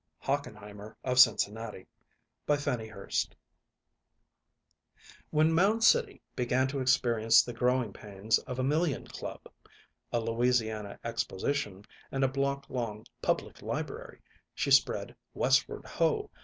HOCHENHEIMER OF CINCINNATI When Mound City began to experience the growing pains of a Million Club, a Louisiana Exposition, and a block long Public Library, she spread Westward Ho!